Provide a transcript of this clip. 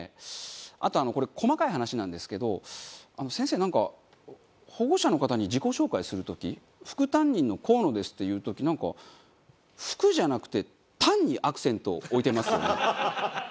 あとあのこれ細かい話なんですけど先生なんか保護者の方に自己紹介する時「副担任のコウノです」って言う時なんか「副」じゃなくて「担」にアクセントを置いてますよね？